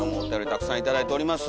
たくさん頂いております。